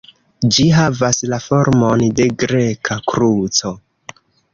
Ĝi havas la formon de Greka kruco.